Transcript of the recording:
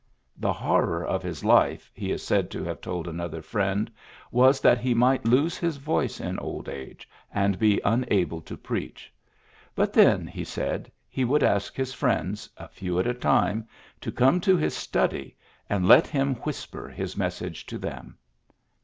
'' The horror of his life^ he is said to have told another friend, was that he might lose his voice in old age and be unable to preach ; but then, he said, he would ask his friends, a few at a time, to come to his study, and let him whisper his mes sage to them.